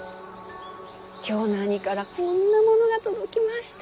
京の兄からこんなものが届きました。